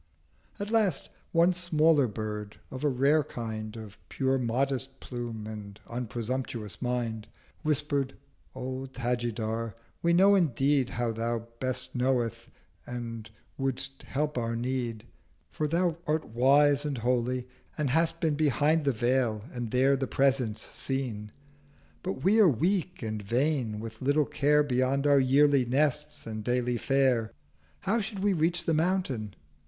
At last one smaller Bird, of a rare kind, Of modest Plume and unpresumptuous Mind, Whisper'd 'O Tajidar, we know indeed How Thou both knowest, and would'st help our Need; For thou art wise and holy, and hast been Behind the Veil, and there The Presence seen. But we are weak and vain, with little care 550 Beyond our yearly Nests and daily Fare— How should we reach the Mountain?